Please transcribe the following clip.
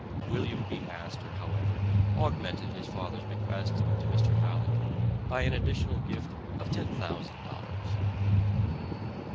William B. Astor, however, augmented his fath er's bequest to Mr. Halleck by an additional gift of ten thousand dollars.